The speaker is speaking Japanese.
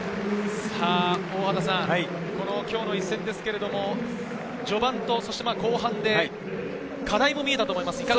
この今日の一戦ですけれど、序盤とそして後半で、課題も見えたと思います。